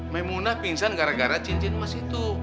maimunah pingsan gara gara cincin emas itu